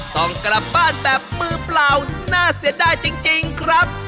ต้องกลับบ้านแบบมือเปล่าน่าเสียดายจริงครับ